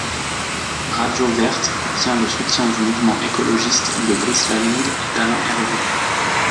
Radio Verte obtient le soutien du mouvement écologiste de Brice Lalonde et d'Alain Hervé.